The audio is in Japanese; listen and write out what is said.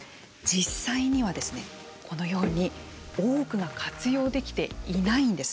実際には、このように多くが活用できていないんです。